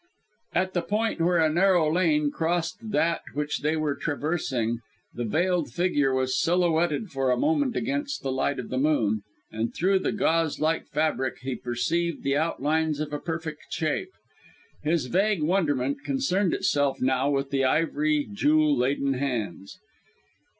At the point where a narrow lane crossed that which they were traversing the veiled figure was silhouetted for a moment against the light of the moon, and through the gauze like fabric, he perceived the outlines of a perfect shape. His vague wonderment, concerned itself now with the ivory, jewel laden hands.